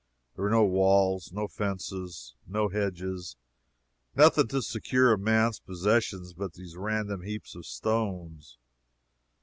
There were no walls, no fences, no hedges nothing to secure a man's possessions but these random heaps of stones.